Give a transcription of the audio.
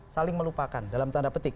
saling melupakan dalam tanda petik